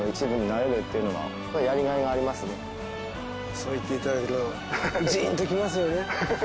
そう言って頂けるとジーンときますよね。